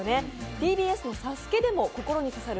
ＴＢＳの「ＳＡＳＵＫＥ」でも心に刺さる